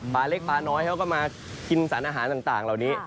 ปลาเล็กปลาน้อยเขาก็มากินสารอาหารต่างเหล่านี้